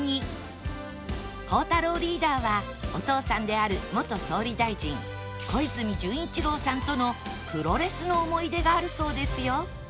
孝太郎リーダーはお父さんである元総理大臣小泉純一郎さんとのプロレスの思い出があるそうですよ